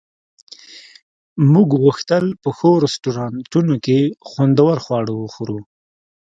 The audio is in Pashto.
موږ غوښتل په ښو رستورانتونو کې خوندور خواړه وخورو